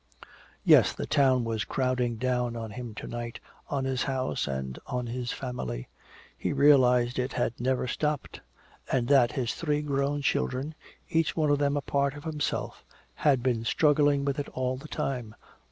Yes, the town was crowding down on him to night, on his house and on his family. He realized it had never stopped, and that his three grown children, each one of them a part of himself, had been struggling with it all the time.